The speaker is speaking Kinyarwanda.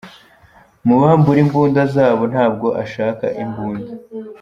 "Mubambure imbunda zabo, ntabwo ashaka imbunda.